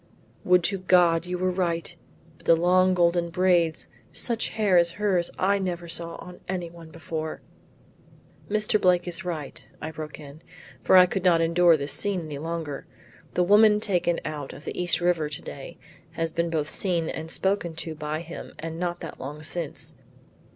"Would to God you were right; but the long golden braids! Such hair as hers I never saw on anyone before." "Mr. Blake is right," I broke in, for I could not endure this scene any longer. "The woman taken out of the East river to day has been both seen and spoken to by him and that not long since.